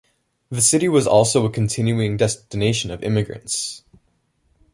The city was also a continuing destination of immigrants.